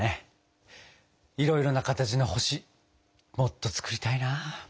いろいろな形の星もっと作りたいな。